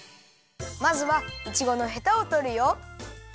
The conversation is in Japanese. まずはいちごのヘタをとるよ。